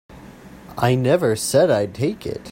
I never said I'd take it.